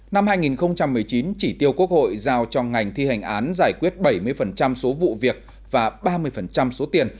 năm hai nghìn một mươi chín chỉ tiêu quốc hội giao cho ngành thi hành án giải quyết bảy mươi số vụ việc và ba mươi số tiền